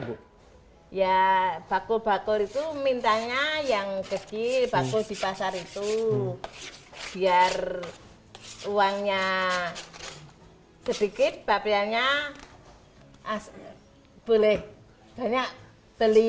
ya bakul bakul itu mintanya yang kecil bakul di pasar itu biar uangnya sedikit bapelnya boleh banyak beli